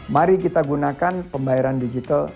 mari kita gunakan pembayaran digital